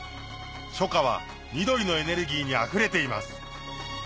初夏は緑のエネルギーにあふれています